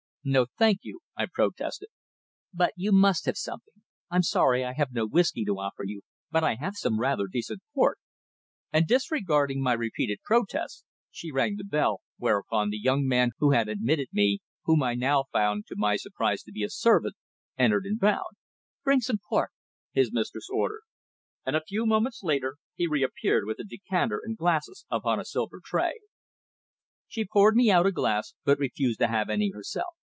"No, thank you," I protested. "But you must have something. I'm sorry I have no whisky to offer you, but I have some rather decent port," and disregarding my repeated protests, she rang the bell, whereupon the young man who had admitted me whom I now found to my surprise to be a servant entered and bowed. "Bring some port," his mistress ordered, and a few moments later he reappeared with a decanter and glasses upon a silver tray. She poured me out a glass, but refused to have any herself.